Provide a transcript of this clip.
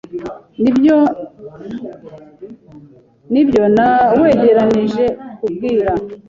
Nibyo nawegerageje kubwira .